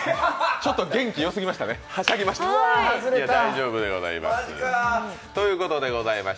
ちょっと元気よすぎましたね、はしゃぎすぎました。